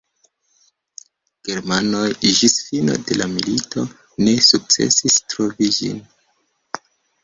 Germanoj ĝis fino de la milito ne sukcesis trovi ĝin.